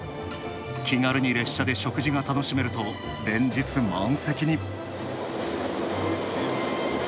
気軽に列車で食事が楽しめると連日満席に。